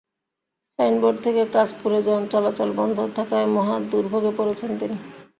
Signboard থেকে কাঁচপুরে যান চলাচল বন্ধ থাকায় মহা দুর্ভোগে পড়েছেন তিনি।